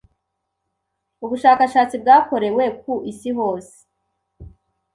Ubushakashatsi bwakorewe ku isi hose